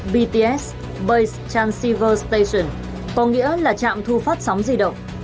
bts base transceiver station có nghĩa là trạng thu phát sóng di động